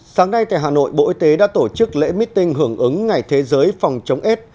sáng nay tại hà nội bộ y tế đã tổ chức lễ meeting hưởng ứng ngày thế giới phòng chống s